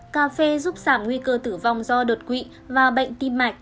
cà phê giúp giảm nguy cơ tử vong do đột quỵ và bệnh tim mạch